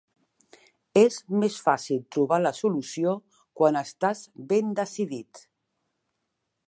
És més fàcil trobar la solució quan estàs ben decidit.